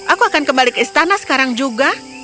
aku akan kembali ke istana sekarang juga